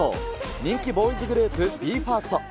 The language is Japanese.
人気ボーイズグループ、ＢＥ：ＦＩＲＳＴ。